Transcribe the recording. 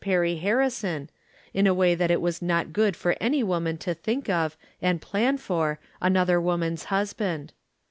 Perry Harrison, in a way that it is not good for any woman to think of, and plan for, another woman's husband.